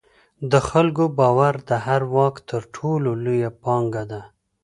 د خلکو باور د هر واک تر ټولو لویه پانګه ده